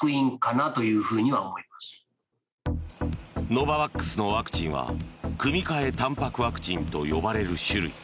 ノババックスのワクチンは組み換えたんぱくワクチンと呼ばれる種類。